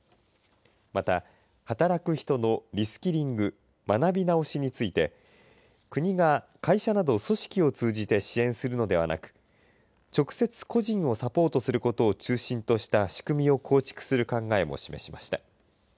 また、働く人のリスキリング学び直しについて国が会社など組織を通じて支援するのではなく直接個人をサポートすることを中心とした仕組みを構築する考えも示しました。